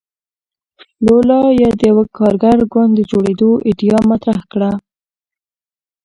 لولا د یوه کارګر ګوند د جوړېدو ایډیا مطرح کړه.